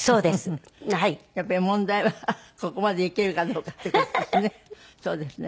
やっぱり問題はここまで生きるかどうかっていう事ですね。